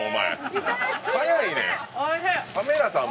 早いねん！